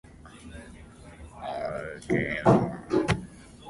The fault truncates various structures including the Pampean orogen.